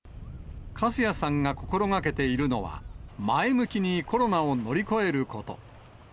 糟谷さんが心がけているのは、前向きにコロナを乗り越えること。